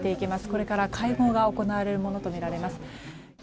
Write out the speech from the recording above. これから会合が行われるものとみられます。